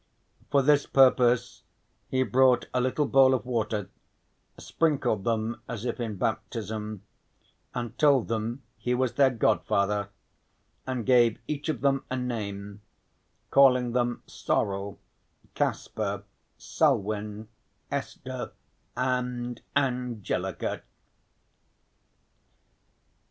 For this purpose he brought a little bowl of water, sprinkled them as if in baptism and told them he was their godfather and gave each of them a name, calling them Sorel, Kasper, Selwyn, Esther, and Angelica.